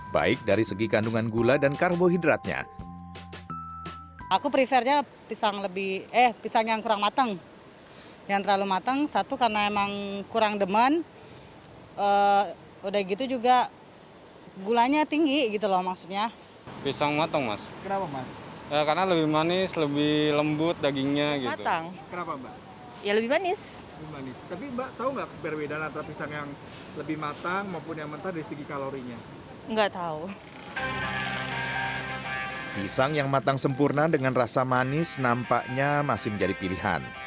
pisang yang matang sempurna dengan rasa manis nampaknya masih menjadi pilihan